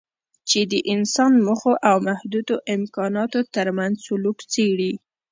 چې د انسان موخو او محدودو امکاناتو ترمنځ سلوک څېړي.